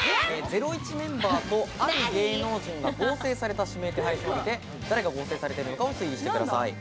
ゼロイチメンバーとある芸能人が合成された指名手配書を見て誰が合成されてるのかを推理してください。